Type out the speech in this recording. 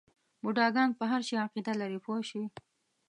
بوډاګان په هر شي عقیده لري پوه شوې!.